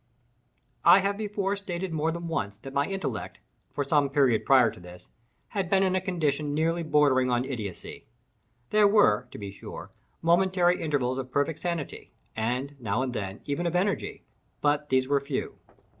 I have before stated more than once that my intellect, for some period prior to this, had been in a condition nearly bordering on idiocy. There were, to be sure, momentary intervals of perfect sanity, and, now and then, even of energy; but these were few.